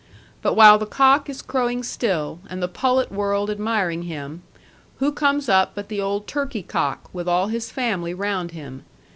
But while the cock is crowing still, and the pullet world admiring him, who comes up but the old turkey cock, with all his family round him.